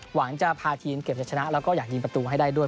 หวังจะพาทีมเก็บจะชนะแล้วก็อยากยิงประตูให้ได้ด้วย